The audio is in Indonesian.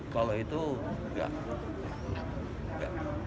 kalau itu enggak